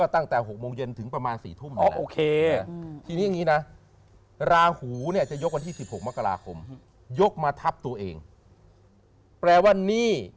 ตั้งแต่๖โมงเย็นถึงประมาณ๑๔๐๐น